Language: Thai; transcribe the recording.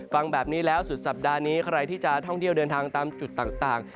ฟังแบบนี้แล้วสุดสัปดาห์นี้ใครที่จะท่องเที่ยวเดินทางตามจุดต่าง